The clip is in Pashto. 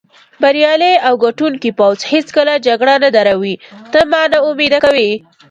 بریالی او ګټوونکی پوځ هېڅکله جګړه نه دروي، ته ما نا امیده کوې.